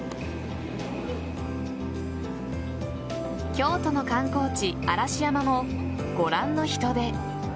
京都の観光地・嵐山もご覧の人出。